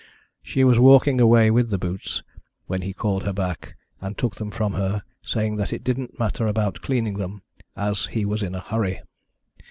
She was walking away with the boots, when he called her back and took them from her, saying that it didn't matter about cleaning them, as he was in a hurry.